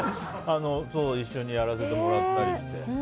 一緒にやらせてもらったりして。